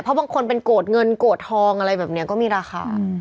เพราะบางคนเป็นโกรธเงินโกรธทองอะไรแบบนี้ก็มีราคา